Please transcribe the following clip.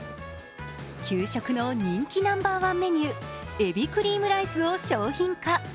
給食の人気ナンバーワンメニュー、えびクリームライスを商品化。